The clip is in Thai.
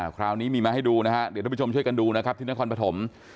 คราวนี้มีมาให้ดูนะฮะเดี๋ยวท่านผู้ชมช่วยกันดูนะครับที่นครปฐม